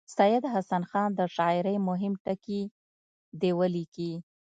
سید حسن خان د شاعرۍ مهم ټکي دې ولیکي.